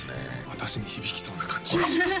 私に響きそうな感じがします